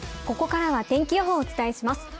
ここからは天気予報をお伝えします。